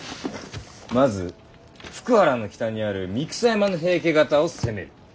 まず福原の北にある三草山の平家方を攻める。